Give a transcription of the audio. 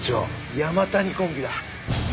山谷コンビ？